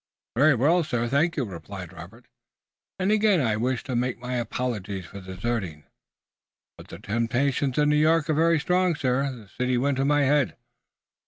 "Very well, sir, thank you," replied Robert, "and again I wish to make my apologies for deserting, but the temptations of New York are very strong, sir. The city went to my head."